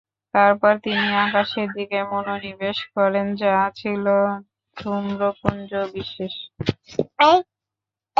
তারপর তিনি আকাশের দিকে মনোনিবেশ করেন যা ছিল ধূম্রপুঞ্জ বিশেষ।